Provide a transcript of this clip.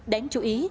đáng chú ý